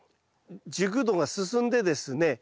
熟度が進んでですね